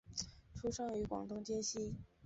出生于广东揭西。